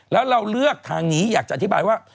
แล้วเราเลือกทางนี้อยากจะอธิบายว่า